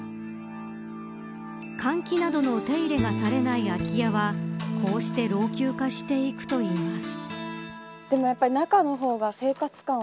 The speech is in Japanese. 換気などの手入れがされない空き家はこうして老朽化していくといいます。